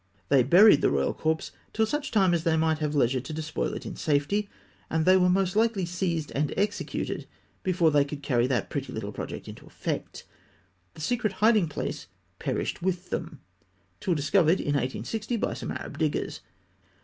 They buried the royal corpse till such time as they might have leisure to despoil it in safety; and they were most likely seized and executed before they could carry that pretty little project into effect. The secret of their hiding place perished with them, till discovered in 1860 by some Arab diggers.